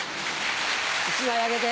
１枚あげて。